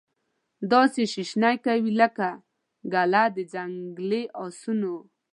داسي شیشنی کوي لکه ګله د ځنګلې اسانو